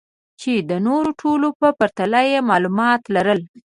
چې د نورو ټولو په پرتله يې معلومات لرل.